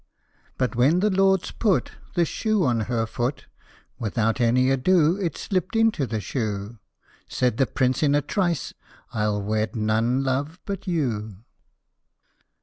But when the lords put The shoe on her foot, Without any ado it slipt into the shoe Said the Prince in a trice, " I '11 wed none, love, but you